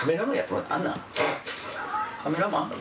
カメラマン？